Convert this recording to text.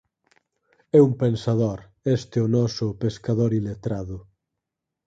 É un pensador, este o noso pescador iletrado.